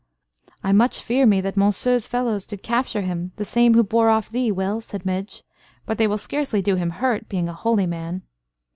"I much fear me that Monceux's fellows did capture him, the same who bore off thee, Will," said Midge. "But they will scarcely do him hurt, being a holy man."